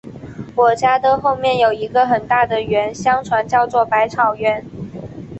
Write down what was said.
我家的后面有一个很大的园，相传叫作百草园